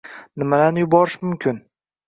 Nimalarni yuborish mumkin?